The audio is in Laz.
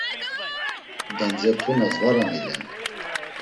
Dandzepunas var amilen.